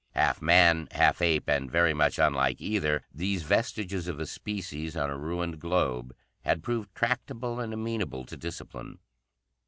Half man, half ape, and very much unlike either, these vestiges of a species on a ruined globe had proved tractable and amenable to discipline.